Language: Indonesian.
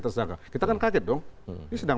terjaga kita kan kaget dong ini sedang